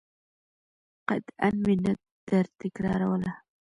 قطعاً مې نه درتکراروله.